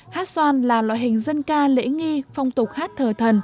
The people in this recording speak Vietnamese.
hát xoan là loại hình dân ca lễ nghi phong tục hát thờ thần